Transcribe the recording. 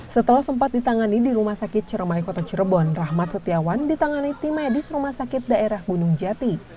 setelah sempat ditangani di rumah sakit ciremai kota cirebon rahmat setiawan ditangani tim medis rumah sakit daerah gunung jati